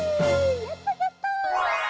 やったやった！